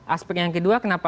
aspek yang kedua kenapa